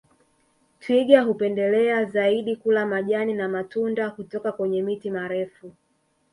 Twiga hupendelea zaidi kula majani na matunda kutoka kwenye miti marefu